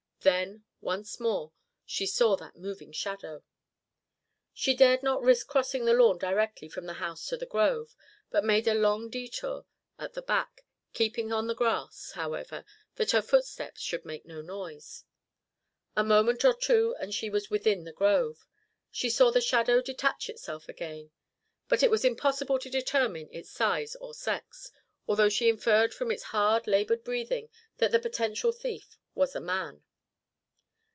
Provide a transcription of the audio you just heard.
Then, once, more, she saw that moving shadow. She dared not risk crossing the lawn directly from the house to the grove, but made a long détour at the back, keeping on the grass, however, that her footsteps should make no noise. A moment or two and she was within the grove. She saw the shadow detach itself again, but it was impossible to determine its size or sex, although she inferred from its hard laboured breathing that the potential thief was a man.